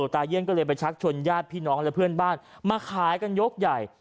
เยี่ยนก็เลยไปชักชวนญาติพี่น้องและเพื่อนบ้านมาขายกันยกใหญ่